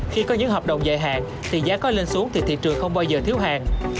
khi có những hợp đồng dài hạn thì giá có lên xuống thì thị trường không bao giờ thiếu hàng